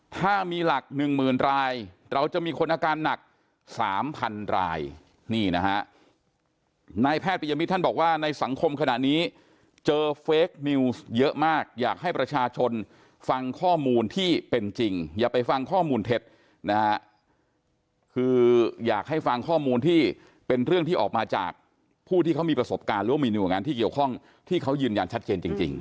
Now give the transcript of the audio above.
ถ้ามีหลักหนึ่งหมื่นรายเราจะมีคนอาการหนัก๓๐๐รายนี่นะฮะนายแพทย์ปริยมิตรท่านบอกว่าในสังคมขณะนี้เจอเฟคนิวส์เยอะมากอยากให้ประชาชนฟังข้อมูลที่เป็นจริงอย่าไปฟังข้อมูลเท็จนะฮะคืออยากให้ฟังข้อมูลที่เป็นเรื่องที่ออกมาจากผู้ที่เขามีประสบการณ์หรือว่ามีหน่วยงานที่เกี่ยวข้องที่เขายืนยันชัดเจนจริง